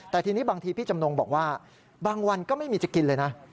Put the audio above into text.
แต่ทีนี้บางทีพี่จำนงบอกว่าบางวันก็ไม่มีจะกินเลยนะ